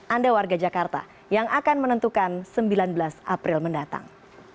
anda warga jakarta yang akan menentukan sembilan belas april mendatang